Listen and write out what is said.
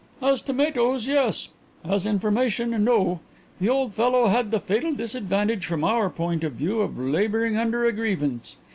"As tomatoes, yes; as information, no. The old fellow had the fatal disadvantage from our point of view of labouring under a grievance.